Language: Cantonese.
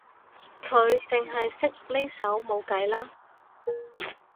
佢淨係識呢首冇計啦